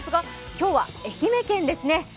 今日は愛媛県ですね。